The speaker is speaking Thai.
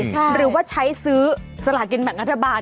ใครซื้อสลากินแบบกระดาบบ้าน